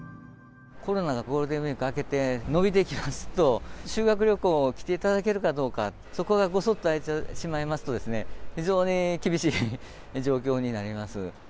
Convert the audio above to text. コロナがゴールデンウィーク明けて伸びてきますと、修学旅行、来ていただけるかどうか、そこがごそっと空いてしまいますと、非常に厳しい状況になります。